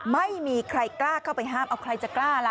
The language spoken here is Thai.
ไม่มีใครกล้าเข้าไปห้ามเอาใครจะกล้าล่ะ